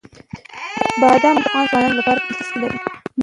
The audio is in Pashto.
بادام د افغان ځوانانو لپاره دلچسپي لري.